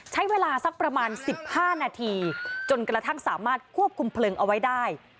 ใช้เวลาสักประมาณ๑๕นาทีจนกระทั่งสามารถควบคุมเพลิงเอาไว้ได้